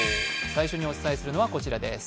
最初にお伝えするのはこちらです。